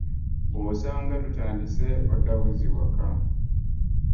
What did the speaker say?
Bw'osanga tutandise odda buzzi waka.